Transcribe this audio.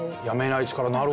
「やめない力」